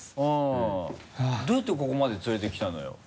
どうやってここまで連れてきたのよ？